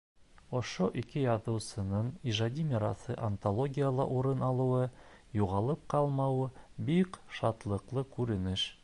Ошо ике яҙыусының ижади мираҫы антологияла урын алыуы, юғалып ҡалмауы бик шатлыҡлы күренеш.